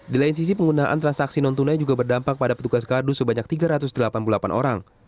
di lain sisi penggunaan transaksi non tunai juga berdampak pada petugas kardus sebanyak tiga ratus delapan puluh delapan orang